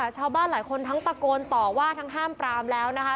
ชาวบ้านหลายคนทั้งตะโกนต่อว่าทั้งห้ามปรามแล้วนะคะ